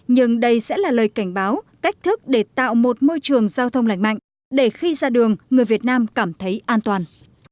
nhưng đây sẽ là lời cảnh báo cách thức để tạo một môi trường giao thông lành mạnh để khi ra đường người việt nam cảm thấy an toàn